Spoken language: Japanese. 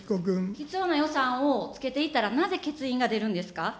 必要な予算をつけていったら、なぜ欠員が出るんですか。